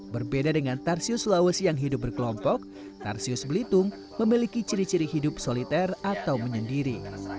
berbeda dengan tarsius sulawesi yang hidup berkelompok tarsius belitung memiliki ciri ciri hidup soliter atau menyendiri